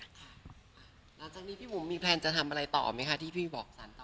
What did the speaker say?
หลังจากนี้พี่บุ๋มมีแพลนจะทำอะไรต่อไหมคะที่พี่บอกสารต่อ